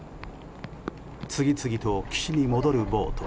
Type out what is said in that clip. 次々と岸に戻るボート。